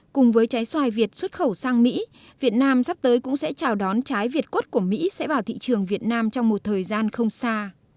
cùng với trái xoài việt xuất khẩu sang mỹ việt nam sắp tới cũng sẽ chào đón trái việt quất của mỹ sẽ vào thị trường việt nam trong một thời gian không xa